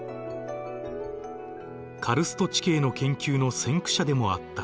カルスト地形の研究の先駆者でもあった。